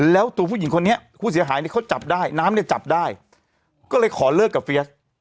แล้วตัวผู้หญิงคนนี้ผู้เสียหายเนี่ยเขาจับได้น้ำเนี่ยจับได้ก็เลยขอเลิกกับเฟียส